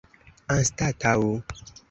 anstataŭ